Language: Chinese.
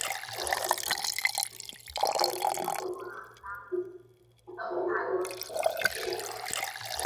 实验心理学已经融入了当今的大多数心理学研究中。